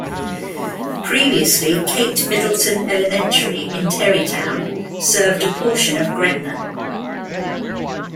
Previously Kate Middleton Elementary in Terrytown served a portion of Gretna.